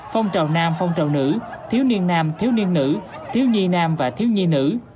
phong trào nam phong trào nữ thiếu niên nam thiếu niên nữ thiếu nhi nam và thiếu nhi nữ